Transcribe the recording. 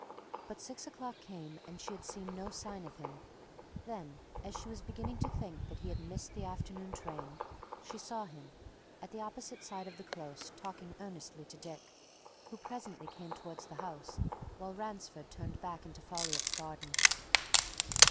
But six o'clock came and she had seen no sign of him; then, as she was beginning to think that he had missed the afternoon train she saw him, at the opposite side of the Close, talking earnestly to Dick, who presently came towards the house while Ransford turned back into Folliot's garden.